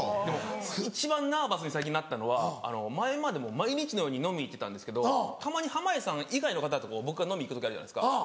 でも一番ナーバスに最近なったのは前までもう毎日のように飲み行ってたんですけどたまに濱家さん以外の方と僕が飲み行く時あるじゃないですか。